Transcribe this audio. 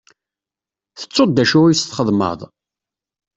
Tettuḍ d acu i s-txedmeḍ?